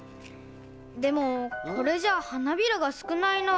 でもこれじゃあはなびらがすくないな。